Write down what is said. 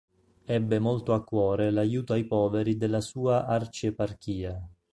Ebbe molto a cuore l'aiuto ai poveri della sua arcieparchia.